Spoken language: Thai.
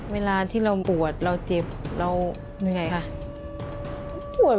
เวลาที่เราปวดเราเจ็บเราเหนื่อยค่ะ